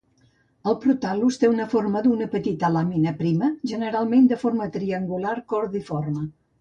El protal·lus té la forma d'una petita làmina prima generalment de forma triangular cordiforme.